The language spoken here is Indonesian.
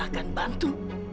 saya akan bantu